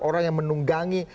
orang yang menunggangi